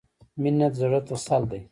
• مینه د زړۀ تسل دی.